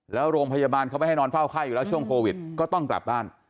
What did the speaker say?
แล้วโรงพยาบาลเขาไม่ให้นอนเฝ้าไข้อยู่แล้วช่วงโควิดก็ต้องกลับบ้าน